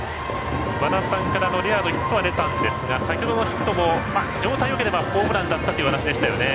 和田さんからは、先ほどレアードヒットは出たんですが先ほどのヒットも状態がよければホームランだったというお話でしたね。